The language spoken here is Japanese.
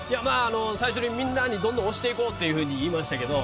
最初にみんなにどんどん押していこうって言いましたけど